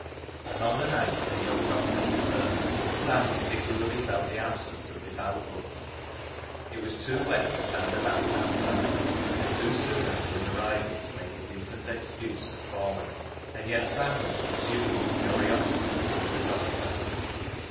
And on the night of the young doctor's return, Sam particularly felt the absence of this outlook. It was too wet to stand about out side, and too soon after his arrival to make a decent excuse for calling, and yet Sam was consumed with curiosity to see the doctor.